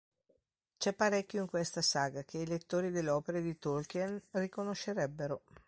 C'è parecchio in questa saga che i lettori delle opere di Tolkien riconoscerebbero.